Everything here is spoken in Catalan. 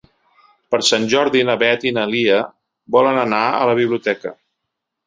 Per Sant Jordi na Beth i na Lia volen anar a la biblioteca.